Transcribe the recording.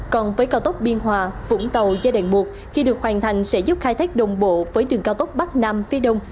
còn với cao tốc biên hòa vũng tàu giai đoạn một khi được hoàn thành sẽ giúp khai thác đồng bộ với đường cao tốc bắc nam phía đông